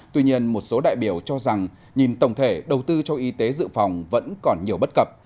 tuy nhiên một số đại biểu cho rằng nhìn tổng thể đầu tư cho y tế dự phòng vẫn còn nhiều bất cập